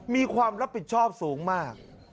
มีความรับผิดชอบสูงมาก